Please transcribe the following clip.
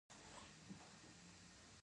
د هیواد اقتصاد په صنعت سره غښتلی کیږي